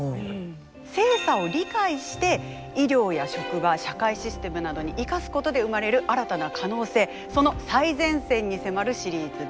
性差を理解して医療や職場社会システムなどに生かすことで生まれる新たな可能性その最前線に迫るシリーズです。